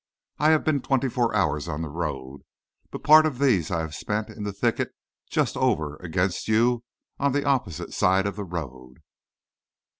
I have been twenty hours on the road, but part of these I have spent in the thicket just over against you on the opposite side of the road.